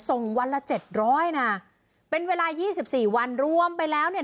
ส่งวันละเจ็ดร้อยนะเป็นเวลายี่สิบสี่วันรวมไปแล้วเนี่ย